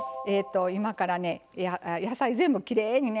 今からね野菜全部きれいにね